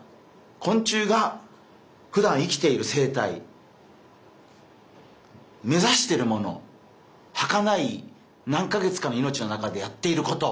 昆虫がふだん生きている生態目指してるものはかない何か月かの命の中でやっている事。